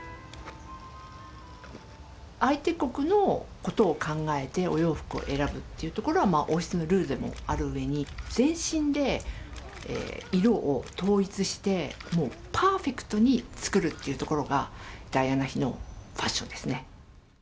相手国のことを考えてお洋服を選ぶっていうところは、王室のルールでもあるうえに、全身で色を統一して、もうパーフェクトに作るっていうところが、ダイアナ妃のファッションですね。